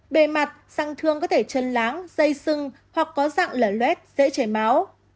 bề mặt ràng thương có thể chân láng dây sưng hoặc có dạng lở luet dễ chảy máu